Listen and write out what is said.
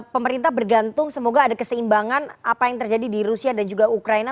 pemerintah bergantung semoga ada keseimbangan apa yang terjadi di rusia dan juga ukraina